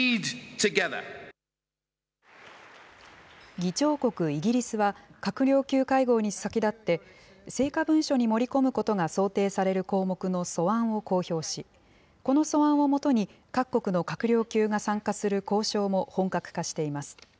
議長国、イギリスは、閣僚級会合に先立って成果文書に盛り込むことが想定される項目の素案を公表し、この素案をもとに、各国の閣僚級が参加する交渉も本格化しています。